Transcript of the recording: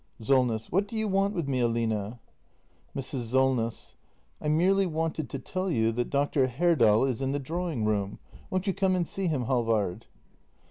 Solness. What do you want with me, Aline? Mrs. Solness. I merely wanted to tell you that Dr. Herdal is in the drawing room. Won't you come and see him, Halvard